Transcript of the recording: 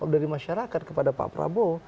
dari masyarakat kepada pak prabowo